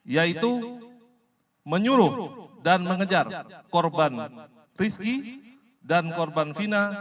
yaitu menyuruh dan mengejar korban rizky dan korban vina